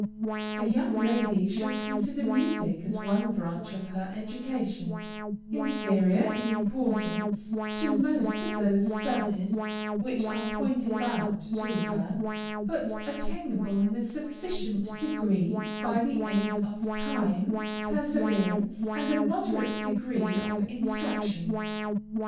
A young lady should consider music as one branch of her education, inferior, in importance, to most of those studies which are pointed out to her, but attainable in a sufficient degree by the aid of time, perseverance, and a moderate degree of instruction.